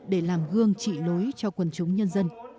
để làm gương trị lối cho quần chúng nhân dân